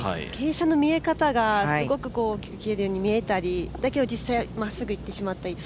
傾斜の見え方がすごく切れるように見えたり、だけど実際はまっすぐいってしまった。